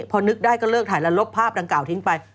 พอนึกได้ก็เลิกถ่ายแล้วลบภาพดังกล่าวทิ้งไป